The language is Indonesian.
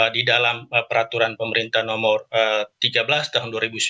di dalam peraturan pemerintah nomor tiga belas tahun dua ribu sembilan belas